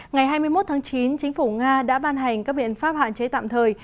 ngày hai mươi một tháng chín chính phủ nga đã ban hành các biện pháp hạn chế tạm thời